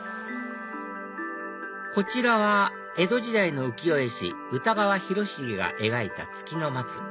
こちらは江戸時代の浮世絵師歌川広重が描いた『月のまつ』